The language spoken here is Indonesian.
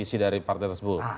visi dari partai tersebut